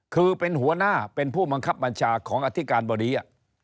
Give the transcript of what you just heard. คือเป็นหัวหน้าเป็นผู้บังคับบัญชาของอธิการบดี